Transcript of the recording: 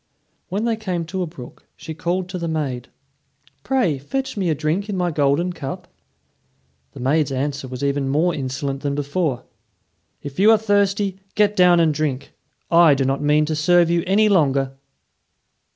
When they came to a brook, she called to the maid: "Pray fetch me a drink in my golden cup." The maid's answer was even more insolent than before. "If you are thirsty, get down and drink. I do not mean to serve you any longer."